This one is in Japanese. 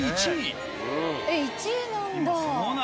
１位なんだ。